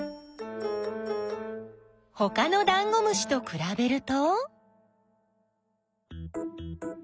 ほかのダンゴムシとくらべると？